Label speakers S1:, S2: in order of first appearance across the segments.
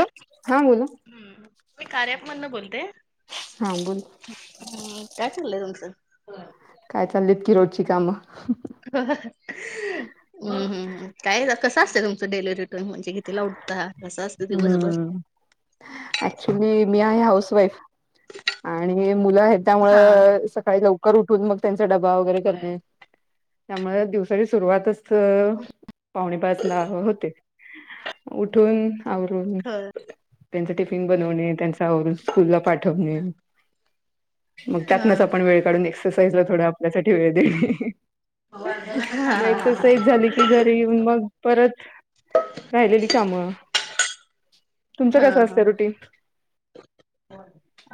S1: हा बोला
S2: हम् मी कार्याआप मधून बोलते
S1: हा बोल
S2: हम्म काय चाललंय तुमचं?
S1: काय चालत की रोजची कामं.
S2: हमम काय कसं असत तुमचं डेली रुटीन म्हणजे किती उठ ता कस दिवसभर
S1: ऍक्चुली मी आहे हाऊस वाईफ आणि मुलं आहेत
S2: हा
S1: त्यामुळ सकाळी लव कर उठून मग त्यांचा डबा वगैरे करणे त्यामुळे दिवसाची सुरुवातच पावणे पाच ला होते उठून हम्म,
S2: होय.
S1: त्यांच टिफिन बनवणे त्यांचं आवरून स्कुल ला पाठवने मग
S2: हा
S1: त्यातनच आपण वेळ काढून एक्सरसाइज ला थोडा आपल्यासाठी वेळ देते,
S2: हा
S1: मग
S2: हा
S1: एक्सरसाइज झाली की की घरी येऊन मग परत राहिलेली कामं तुमचं
S2: हा
S1: कसं
S2: हा
S1: असतं रुटीन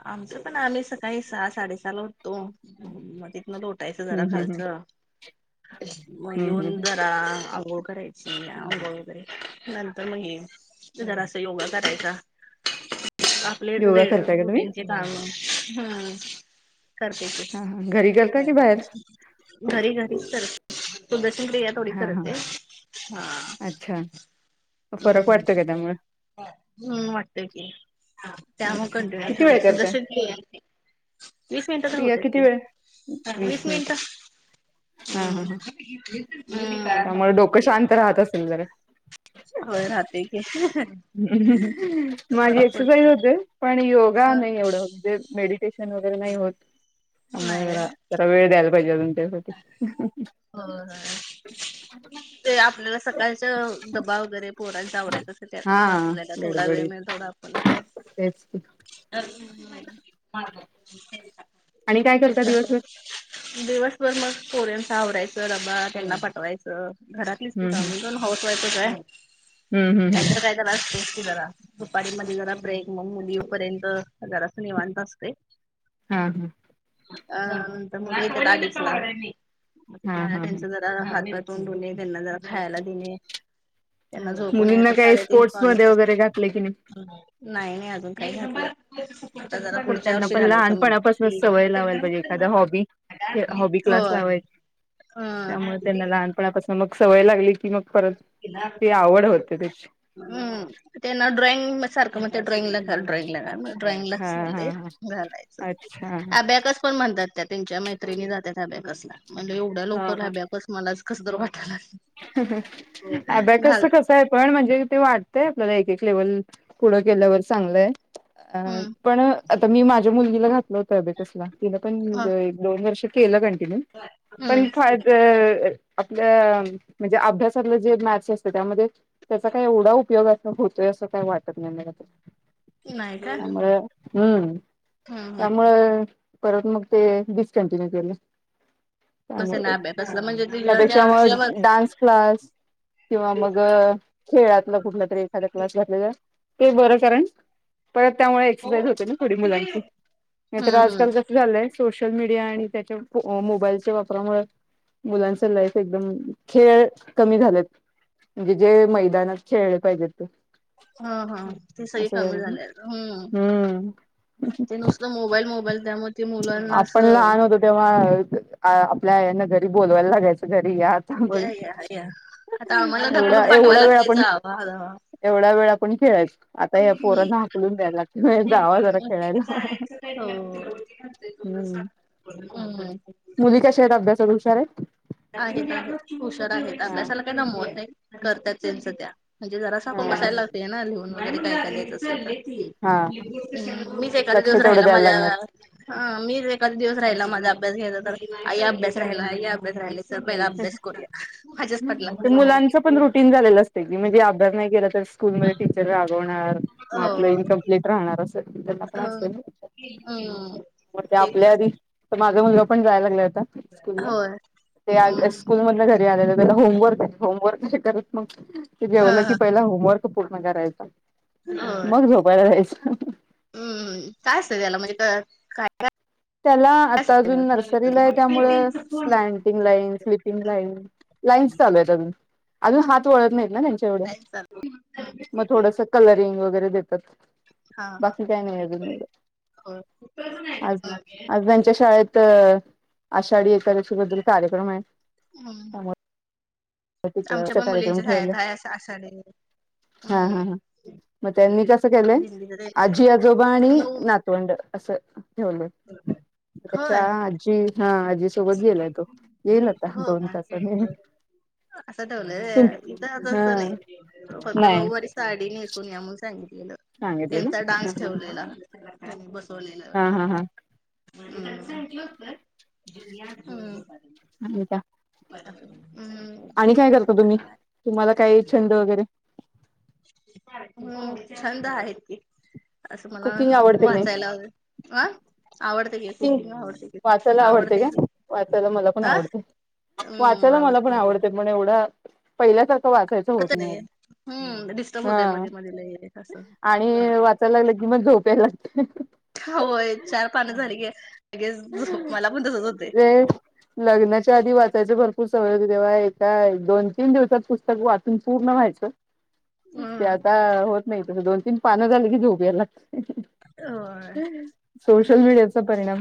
S2: आमचं पण आम्ही सकाळी सहा साडेसहा उठतो मग लोटायचं
S1: हम्म
S2: जरा
S1: हम्म
S2: खालच
S1: हम्म
S2: मग
S1: हम्म
S2: येऊन
S1: हम्म
S2: जरा आंघोळ करायची आंघोळ वगैरे नंतर मग हे जरासा योगा आपलेच
S1: योगा
S2: वेळ
S1: करताय का तुम्ही
S2: रूटीन चे काम हम्म करते
S1: हा हा घरी
S2: ते
S1: करता की बाहेर
S2: घरी घरीच कर सुदर्शन क्रिया थोडी
S1: हा हा
S2: करते ह
S1: अच्छा फरक वाटतो का त्यामुळे?
S2: छान वाटतय की त्या मग
S1: अच्छा
S2: कंटिन्यू
S1: किती वेळ
S2: ठेवले
S1: करताय
S2: सुधदर्शन क्रिया वीस मिनिटं तर
S1: क्रिया
S2: होत
S1: किती
S2: की
S1: वेळ
S2: वीस मिनिट
S1: हम्म हम्म हम्म
S2: [unintelligible] हम्म
S1: त्यामुळे डोकं शांत राहत असेल जरा
S2: होय राहतय की
S1: माझी
S2: फरक
S1: एक्सरसाईज
S2: पडतय
S1: होते पण योगा नाही एवढं होत म्हणजे मेडी पेशंट वगैरे नाही होत त्यामुळे
S2: नाही
S1: जरा जरा वेळ द्यायला पाहिजे अजून त्यासाठी
S2: हो, ते आपलेला सकाळच डबा वगैरे पोरांच आवरायच असेल
S1: हा
S2: त्यातून आपला थोडा वेळ
S1: गडबडीत
S2: मिळतो थोडा आपण बोलायचं
S1: तेच की. आणि काय करता दिवसभर
S2: [inaudible] दिवसभर मग पोऱ्याचं आवरायचं डबा त्यांना पाठवायचं घरात प्लीज [inaudible]
S1: हम्म
S2: मी पण हाऊस वाईफच आहे
S1: हम्म हम्म
S2: काय की जरा दुपारी मधे जरा ब्रेक मग मुली येऊ पर्यंत जरासं निवांत असते.
S1: हा हा
S2: [inaudible] हातपाय
S1: हा हा हा हा
S2: तोंड धुणे त्यांना जरा खायला देणे. त्यांना झोपुनही
S1: मुलींना
S2: ता
S1: काही
S2: साडे तीन
S1: स्पोर्ट्स
S2: पावने
S1: मध्ये
S2: चार.
S1: वगैरे घातले की नाही
S2: नाही नाही अजून काही [unintelligible] आमच्या घरा पुढच्या
S1: त्यांना
S2: वर्षी
S1: पण
S2: घालायचं म्हण
S1: लहानपणापासूनच सवय लावायला पाहिजे एखादा हॉबी हॉबी
S2: [unintelligible]
S1: क्लास
S2: होय,
S1: लावायची
S2: हा.
S1: पण आता समझ, मग सवय लागली की मग परत ते आवड होते त्याची.
S2: हम त्यांना ड्रॉइंग सारखं मग ते ड्रॉइंगला घाल ड्रॉइंगला घाल
S1: हा
S2: ड्रॉइंगलाच
S1: हा हा
S2: [unintelligible] घालायचं,
S1: अच्छा
S2: अभ्याकस पण म्हणतात त्यात त्यांच्या मैत्रिणी जात्यात अभ्याकसला म्हणजे एवढ्या
S1: हा
S2: लवकर
S1: हा
S2: अभ्याकस मलाच कस तर वाटा लागले.
S1: अभ्याकस च कस होय पण म्हणजे ते वाटतय आपल्याला एक एक लेवल पुढं केल्यावर चांगलंय. अ
S2: हम्म
S1: पण आता मी माझ्या मुलगीला घातलं होत अभ्याकसला तिन पण दोन वर्ष केलं कंटिन्यू,
S2: हम्म
S1: पण फायद आपल्या म्हणजे अभ्यासातलं जे मॅथ्स असतं त्यामध्ये त्याचा काही एवढा उपयोगात्मक होतोय असं काय वाटत नाही, त्यामुळे हम्म.
S2: हा हा.
S1: मुळे परत मग ते डिस्कंटिन्यू केलं. त्यामुळे,
S2: अभ्याकसला म्हणजे तिच्या त्या
S1: त्यापेक्षा म डान्स क्लास किंवा मग खेळातलं कुठला तरी एखाद क्लास घातलेला. ते बरं कारण परत त्यामुळे एक्सरसाईज होते ना थोडी मुलांची नाहीतर
S2: हम्म हम्म
S1: आजकाल ज झालंय सोशल मीडिया आणि त्याच्या मोबाईलच्या वापरामुळे मुलांच लाईफ एकदम खेळ कमी झालेत म्हणजे जे मैदानात खेळले पाहिजेत ते.
S2: हा हा, ते सगळे
S1: असं
S2: कमी
S1: झालं ना.
S2: झाले, हम्.
S1: हम्म.
S2: ते नुसतं मोबाईल मोबाईल त्या
S1: आपण लहान होतो तेव्हा आपल्या यांना घरी बोलवायला लागायचं घरी या. थांब,
S2: या या या आता आम्हाला
S1: एवढा
S2: ढकलून
S1: एवढा
S2: पाठवायला
S1: वेळ
S2: लागतंय
S1: आपण
S2: जावा
S1: एवढा वेळ आपण खेळायच आता या
S2: जावा.
S1: पोरांना हाकलून द्यायला वय जावा जरा खेळायला.
S2: होय [unintelligible]
S1: हम्म, मुली कशा आहेत अभ्यासात हुषार आहे?
S2: आहेत आहेत हुशार आहेत
S1: हा
S2: अभ्याशाला काय दमवत नाही, करत्यात त्यांच त्या. म्हणजे जरासा आपण
S1: हा.
S2: बसायलागतं ना लिहून वगैरे काय करायचं असेल तर.
S1: हा
S2: हम्, मीच एखादे
S1: लक्ष
S2: दिवस
S1: तेवढं
S2: राहायला
S1: द्यायला
S2: माझ्या‌
S1: लागणार.
S2: हा मी एकादा दिवस राहिला माझा अभ्यास घ्याय तर आई अभ्यास राहिला, आई अभ्यास राहिला. चल पहिला
S1: [inaudible]
S2: अभ्यास करूया
S1: मुलांच पण रुटीन झालेलं असत की म्हणजे अभ्यास नाही केला तर स्कूल मध्ये टीचर रागवणार मग आपलं
S2: हो
S1: इनकमप्लीट राहणार असं. पण असत
S2: हम्म
S1: ना, मग ते आपल्या आधी तर माझा मुलं पण जायला लागलाय आता.
S2: होय.
S1: ते
S2: हम्म
S1: स्कूल मधन घरी आलेलं त्याना होमवर्क होमवर्क करत, मग? ते
S2: हा
S1: जेवलं की
S2: हा
S1: पहिला होमवर्क पूर्ण करायच
S2: होय
S1: मग झोपायला जायच.
S2: हम्म काय असतं त्याला म्हणजे काय काय?
S1: त्याला आता अजून नर्सरीला आहे त्यामुळं स्लँड [unintelligible] लाईन्स चालू आहे त्यांच, अजुन हात वडत नाही न त्यांच. तेवढ, मग थोडस कलरिंग वगैरे देतात.
S2: हा
S1: बाकी काय नाय अजून म्हणलं
S2: होय.
S1: आज आज त्यांच्या शाळेत आषाढी एकादशी बद्दल कार्यक्रम आहे.
S2: हा ना.
S1: तर तिकडेचा कार्यक्रम ठेवलाय.
S2: शाळेत आहे अस आषाढी
S1: हा हा
S2: हम्म.
S1: हा म त्यांनी कसं केलंय
S2: दिंडीच त्यांचे
S1: आजी आजोबा आणि
S2: नऊ
S1: ना तोंड असं ठेवले
S2: होय
S1: त्याच्या आजी हा आजी सोबत गेलाय तो येईल आता
S2: हो
S1: दोन तासाने.
S2: असं ठेवलय इथं
S1: हा
S2: तसं नाही फक्त
S1: नाही
S2: नऊवारीस साडी नेसून या म्हणून सांगितलेलं,
S1: सांगितले
S2: त्यांचा
S1: ना
S2: डान्स ठेवलेला. बसवलेलं हाय
S1: हा
S2: वाटतं
S1: हा हा
S2: हम्म.
S1: आणि का
S2: हम्म. हम्म.
S1: आणि
S2: [unintelligible]
S1: जगैरे
S2: हम्म छंद आहेत की. असं मला
S1: कुकिंग आवडते की नाही
S2: वाचायला हवे आं.
S1: [unintelligible] वाचायला आवडते काय वाचायला मला पण
S2: अ
S1: आवडते.
S2: हम्म
S1: वाचायला मला पण आवडत पण एवढा पहिल्या सार खं होत
S2: आवडत
S1: नाही
S2: हम्म डिस्टर्ब होतय मध्ये मध्ये लय असं
S1: आणि वा चायला लागले की म झोप यायला लागते.
S2: होय चार पान झाली कि लगेच झोप मला पण तसच होते.
S1: ते लग्नाच्या आधी वाचायचं भरपूर सवय होते तेव्हा एका दोन तीन दिवसात पुस्तक वाचून पूर्ण व्हायचं.
S2: [unintelligible] [inaudible]
S1: ते आता होत नाही तसं दोन तीन पानं झाले की झोप याल लाग
S2: होय
S1: सोशल मीडियाचा परिणाम.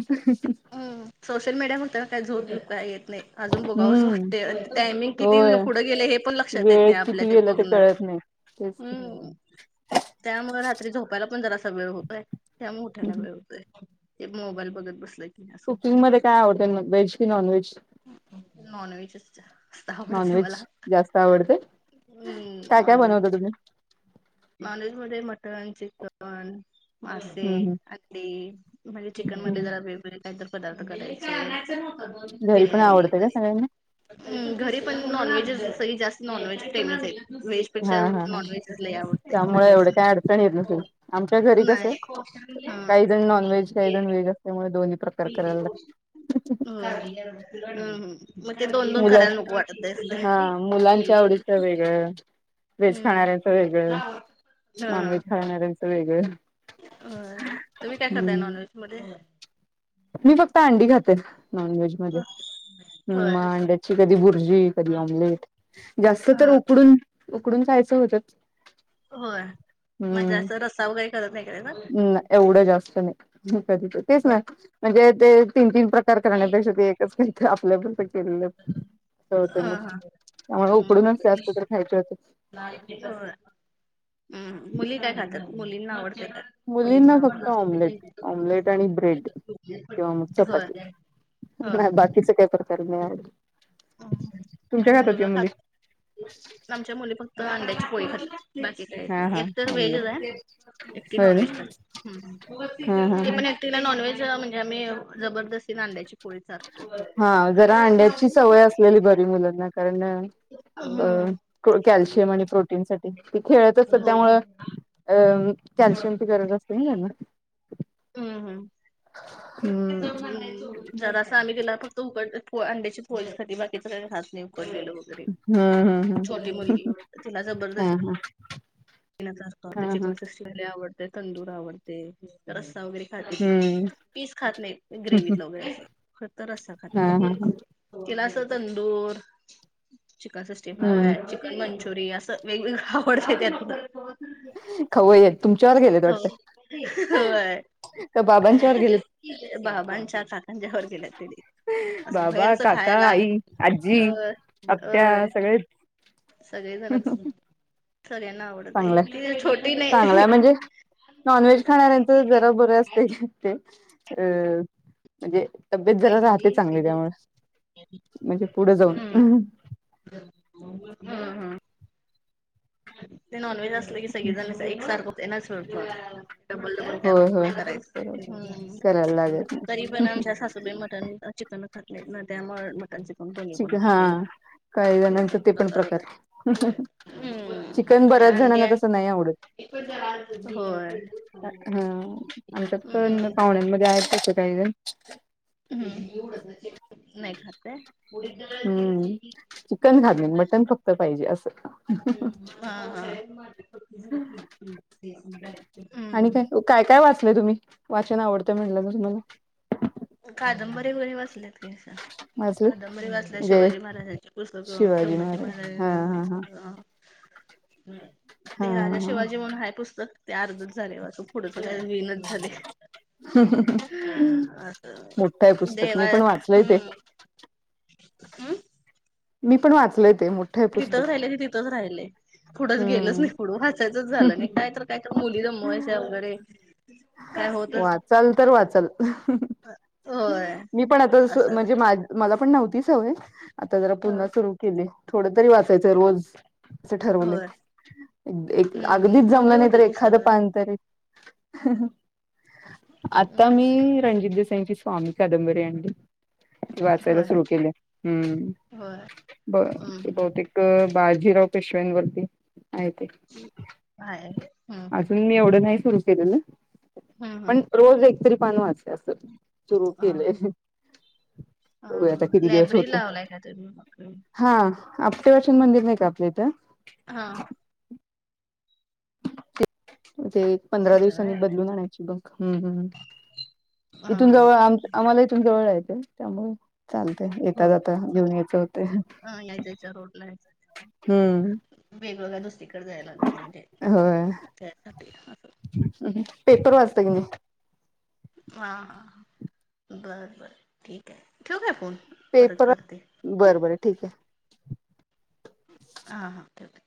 S2: अ ह सोशल मीडिया बघताना काय झोप विप काय येत नाही अजून बघावंच
S1: हम्म
S2: वाटते आणि टायमिंग किती
S1: होय
S2: पुढं गेले हे पण लक्षात येत
S1: वेळ
S2: नाही आपल्या
S1: किती
S2: ते
S1: गेला
S2: बघण्यात.
S1: कळत नाही तेच
S2: हम्म. त्याममुळे रात्री झोपायला पण जरा असा वेळ होतोय, त्यामूळं उठायला वेळ होतोय. ते मोबाईल बघत बसलाय
S1: कुकिंग मध्ये काय आवडते आन मग व्हेज की नॉन व्हेज?
S2: नॉन व्हेजच चा.
S1: नॉनव्हेज जास्त आवडते
S2: हम्म
S1: काय काय बनवता तुम्ही?
S2: नॉनवेज मध्ये मटन, चिकन
S1: हम्म हम्म
S2: मासेअंडी म्हणजे चिकन मधले जरा
S1: हम्म
S2: वेग [unintelligible] काही तर पदार्थ करायचं
S1: घरी पण
S2: बिर्याणी
S1: आवडते का
S2: वगैरे.
S1: सगळ्यांना
S2: हम्म घरी पण नॉनव्हेज सगळी जास्त नॉनव्हेज प्रेमीच आहे व्हेज वेझ
S1: हा
S2: पेक्षा
S1: हा हा
S2: नॉनव्हेजच लय आवड
S1: त्यामुळे एवढे काय अडचण येत नसेल आमच्या घरी कसं
S2: नाही
S1: काही
S2: हा
S1: काही जण नॉनव्हेज काहीजण व्हेज असल्यामुळे दोन्ही प्रकार करायला लागत
S2: हम्म हम्म हम्म. म
S1: मुलं
S2: ते
S1: हा
S2: दोन-दोन
S1: मुलांच्या आवडीचं
S2: करायला
S1: वेगळं
S2: नको
S1: व्हेज खाणाऱ्यांचं
S2: वाटतेस.
S1: वेगळं
S2: हम्म हा.
S1: तर वेगळं
S2: होय तुम्ही काय करताय
S1: हम्म
S2: नॉन व्हेज मध्ये?
S1: मी फक्त अंडी खाते नॉनव्हेज. ् म
S2: होय
S1: अंड्याची कधी भुर्जी कधी ऑमलेट.. जास्त तर
S2: हा
S1: उकडून उकडून खायचं होत.
S2: होय म्हणजे असं रस्ता वगैरे करत नाही कय ना.
S1: एवढं जास्त नाही कधीच तेच
S2: होय.
S1: ना म्हणजे ते तीन तीन. प्रकार करण्यापेक्षा एकच काही आपल्या. ल् होतय
S2: हा
S1: मग
S2: हा
S1: आम्हाला
S2: हम्म.
S1: उकडूनच
S2: होय
S1: जास्त तर खायचे होते.
S2: मुली काय खातात मुलींना आवडतात.
S1: मुलींना फक्त ऑमलेट ऑमलेट आणि ब्रेड किंवा मग
S2: होय.
S1: चपाती
S2: होय
S1: नाही बाकीच काही प्रकार नाही आवडत, तुमच्या
S2: आणि
S1: काय खा तात या
S2: मुलगा
S1: मुली.
S2: खात आमच्या मुले फक्त अंड्याची पोळी खातात बाकी.
S1: हा हा
S2: एक तर व्हेज
S1: ऑमलेट
S2: आहे एकटी
S1: होय
S2: नॉन
S1: ना
S2: व्हेज खात्या. तर
S1: हा हा
S2: ते
S1: हा
S2: पण तिला नॉनव्हेज म्हणजे आम्ही जबरदस्ती नांद्याची पोळी. चारतो
S1: हा जरा अंड्याची सवय असलेली घरी मुलांना कारण
S2: हम्म
S1: अ कॅल्शियम आणि प्रोटीन साठी ती खेळत असतात
S2: हो
S1: त्यामुळ
S2: हम्म
S1: अ कॅल्शियमची गरज असते ना त्यांना
S2: हम्म हम्म.
S1: हम्म
S2: जरा असं आम्ही गेला फक्त उकड अंड्याची पोळीसाठी बाकीच काही घात नाही उकडलेलो.
S1: हम्म हम्म हम्म
S2: छोटी मुलगी तिला
S1: हा
S2: जबरदस्ती.
S1: हा
S2: प असत
S1: हा हा
S2: चिकन सिष्टी फायआवडते तंदूर आवडते. रस्सा वगैरे खाते
S1: हम्म
S2: पीस खात नाहीत ग्रेव्हीतला वगैरे फक्त रस्सा.
S1: हा हा हा.
S2: तिला असं तंदूर चिकन
S1: हम्म
S2: सिक्सटीफाय मंचुरिय असं वेगवेगळं आवडत त्यात
S1: खवय्ये तुमच्यावर गेलेत वाटतं
S2: होय.
S1: का बाबांच्यावर गेलेत
S2: बाबांच्या काकांच्या गेल्यात तरी. असं बाहेर
S1: बाबा, काका,
S2: खायला
S1: आई,
S2: अ
S1: आजी, आत्या
S2: अ.
S1: सगळेच
S2: सगळे जणच सगळ्यांना आवडत आहे
S1: चांगलाय.
S2: ती छोटी नाही.
S1: नॉन व्हेज खाणाऱ्यांचं जरा बरं असते ते अ म्हणजे तब्येत जरा राहते चांगली त्यामुळे म्हणजे पुढं जाऊन.
S2: हा हा. ते नॉन व्हेज असलं की सगळीजण एक सारखं नाचळत डबल डबल काय
S1: होय
S2: होत
S1: होय.
S2: नाही करायचं
S1: करायला लागत नाही.
S2: तरी पण आमच्या सासूबाई मटन चिकन खात नाही ना त्यामुळे मटन चिकन दोन्ही पण
S1: चिक हा
S2: होतात
S1: काही
S2: ते
S1: जणांच
S2: बघता
S1: पण
S2: करू
S1: प्रकार चिकन बऱ्याच जणांना तसं नाही आवडत.
S2: होय
S1: हा आमच्यात
S2: हम्म
S1: पण पाहुण्यांमध्ये आहेत तसं काही जण
S2: नाही खात हम्म.
S1: तर पाहिजे असं.
S2: हा हा
S1: आणि काय
S2: हम्म.
S1: काय काय वाचलंय तुम्ही वाचन आवडतं म्हणलं ना तुम्हाला?
S2: कादंबरी वगैरे वाचलात का अस.
S1: वाचलं
S2: कादंबरी वाचल्या
S1: म्हणजे
S2: शिवाजी महाराजांचे पुस्तकं
S1: शिवाजी
S2: संभाजी
S1: महाराज हा
S2: महाराजांच
S1: हा हा
S2: ते
S1: हा
S2: राजा
S1: हा
S2: शिवाजी म्हणून पुस्तक ते अर्धत झाले वाचून. पुढ काय विनत झाली.
S1: मोठाय पुस्तक मी पण वाचलंय ते.
S2: आं?
S1: मी पण वाचलय ते मग.
S2: तिथंच राहिले ते तिथंच राहिलय. पुढं च गेलंच
S1: हम्म
S2: नाही पुढं वाचायचंच झालं नाही काय तर काय तर मुली दमवायच्या वगैरे. काय होतच
S1: वाचाल तर वाचाल!
S2: होय
S1: मी पण आता जस
S2: असं
S1: म्हणजे माझ् मला पण नव्हती सवय आता जरा पुन्हा सुरू केले थोड तरी वाचायचं रोज. अस ठरवले
S2: होय हम्म हम्म
S1: अगदीच जमलं
S2: कोणती
S1: नाही तर
S2: कोणती
S1: एखाद
S2: पुस्तकं
S1: पान तरी - आता
S2: हम्म
S1: मी रणजित देसाईची स्वामी कादंबरी आणली. वाचायला
S2: होय
S1: सुरु केली आहे. हम्म
S2: होय
S1: बरं
S2: हम्म
S1: बहुतेक ते बाजीराव पेशव्यां वरती हाये ते.
S2: आहे हम्म हम्म
S1: अजून मी एवढं नाही सुरु केलेलं.
S2: हम्म
S1: पण
S2: हम्म
S1: रोज एकतरी पान वाचुया अस सुरू केले.
S2: आ लायब्ररी लावलाय काय तुम्ही?
S1: हा. आपटे वाचन मंदिर नाही का आपल्या इथं.
S2: हा.
S1: ते एक पंधरा
S2: होतं
S1: दिवसांनी
S2: व्हय
S1: बदलून आणायची बघ हम्म हम्म.
S2: हा
S1: इथून जवळ आम -आम्हाला इथून जवळ हाय काय त्यामुळ. चालतय येेता -
S2: होय
S1: जाता घेऊन यायचं होते.
S2: हा या जायच्या
S1: हम्म.
S2: वेगळं काय दुसरीकड जायला लागत नाही म्हणजे त्यासाठी असं.
S1: हम्म पेपर वाचताय की नाही?
S2: हां बरं बरं ठीक आहे. ठेऊ काय फोन? परत
S1: पेपर
S2: करते
S1: बर बर ठीक आहे.
S2: हां हां ओके ओके.